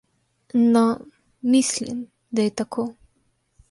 No, mislim, da je tako.